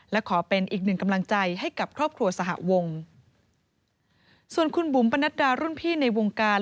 และขอเป็นอีกหนึ่งกำลังใจให้กับครอบครัวสหวงส่วนคุณบุ๋มปนัดดารุ่นพี่ในวงการ